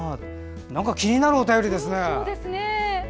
なんか気になるお便りですね。